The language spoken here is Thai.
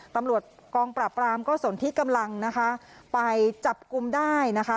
ตำรวจกองปราบรามก็สนที่กำลังนะคะไปจับกลุ่มได้นะคะ